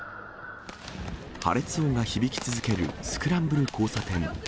破裂音が響き続けるスクランブル交差点。